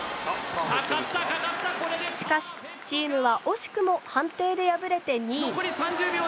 しかしチームは惜しくも判定で敗れて２位。